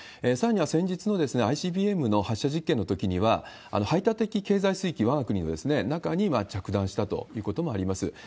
さらには先日のＩＣＢＭの発射実験のときには、排他的経済水域、わが国の中に着弾したということもあります。